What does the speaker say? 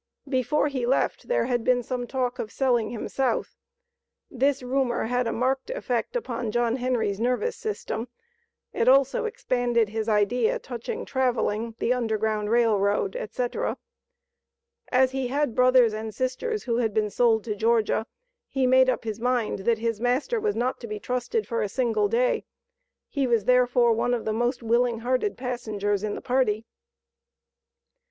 Before he left there had been some talk of selling him South. This rumor had a marked effect upon John Henry's nervous system; it also expanded his idea touching traveling, the Underground Rail Road, etc. As he had brothers and sisters who had been sold to Georgia he made up his mind that his master was not to be trusted for a single day; he was therefore one of the most willing hearted passengers in the party.